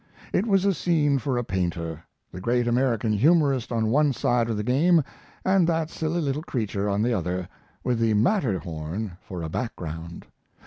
It was a scene for a painter: the great American humorist on one side of the game and that silly little creature on the other, with the Matterhorn for a background.